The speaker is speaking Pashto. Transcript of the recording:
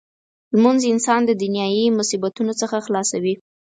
لمونځ انسان د دنیايي مصیبتونو څخه خلاصوي.